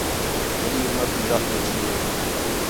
وݙّی عُمر تی ذال ویٹھی ہِے